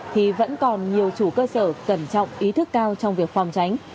thì vẫn còn nhiều chủ cơ sở cẩn trọng ý thức cao trong việc phòng tránh